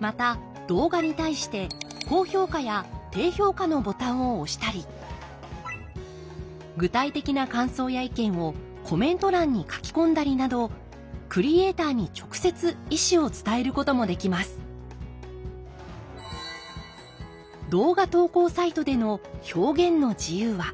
また動画に対して高評価や低評価のボタンを押したり具体的な感想や意見をコメント欄に書き込んだりなどクリエーターに直接意思を伝えることもできますんなるほど。